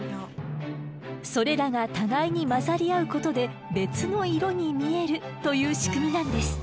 それらが互いに混ざり合うことで別の色に見えるという仕組みなんです。